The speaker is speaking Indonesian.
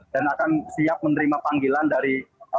dan akan siap menerima panggilan dari